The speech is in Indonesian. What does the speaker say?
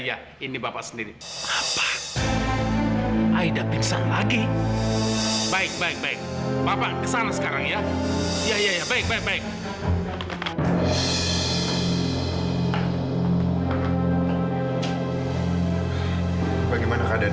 gak ada pasien yang harus kamu hantar